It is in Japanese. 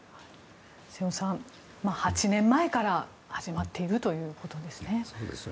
瀬尾さん、８年前から始まっているということですね。